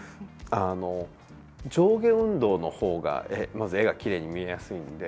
上下運動の方がまず絵がきれいに見えやすいので。